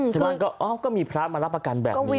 ชาวบ้านก็อ๋อก็มีพระมารับประกันแบบนี้